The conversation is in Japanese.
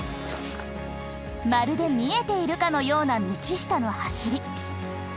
まるで見えているかのような道下の走り。